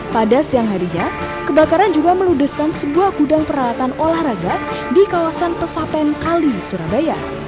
pada siang harinya kebakaran juga meludeskan sebuah gudang peralatan olahraga di kawasan pesapen kali surabaya